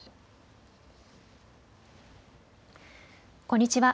こんにちは。